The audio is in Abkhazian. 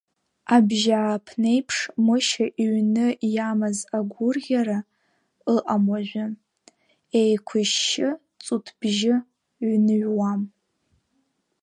Абжьааԥнеиԥш Мышьа иҩны иамаз агәырӷьара ыҟам уажәы, еиқәышьшьы, ҵутбжьы ҩныҩуам.